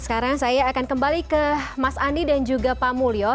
sekarang saya akan kembali ke mas andi dan juga pak mulyo